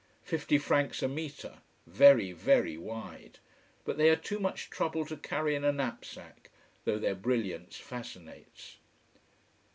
Fifty francs a metre very, very wide. But they are too much trouble to carry in a knapsack, though their brilliance fascinates.